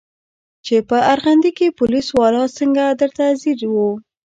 چې په ارغندې کښې پوليس والا څنګه درته ځير و.